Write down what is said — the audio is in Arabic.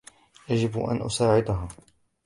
يجب أن أساعدها.